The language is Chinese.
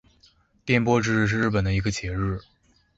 电波之日是日本的一个节日。